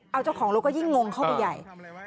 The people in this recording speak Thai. เอาเจ้าของรถก็ยิ่งงงเข้าไปใหญ่